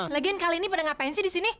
lagian kali ini pada ngapain sih di sini